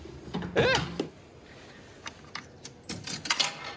えっ！？